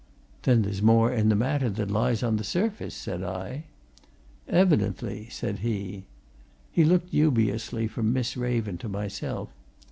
"Then there's more in the matter than lies on the surface," said I. "Evidently," said he. He looked dubiously from Miss Raven to myself.